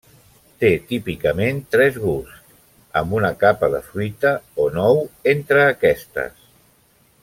Té típicament tres gusts, amb una capa de fruita o nou entre aquestes.